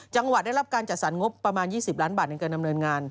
จังหวัดได้รับการจัดสรรงบประมาณ๒๐ล้านบาทในการดำเนินงาน